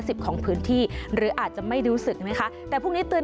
ของพื้นที่หรืออาจจะไม่รู้สึกนะคะแต่พรุ่งนี้เตือน